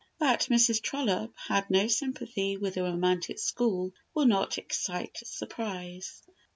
That Mrs. Trollope had no sympathy with the Romantic school will not excite surprise.